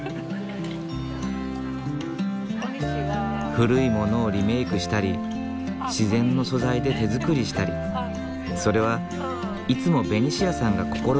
古いものをリメークしたり自然の素材で手づくりしたりそれはいつもベニシアさんが心掛けている事。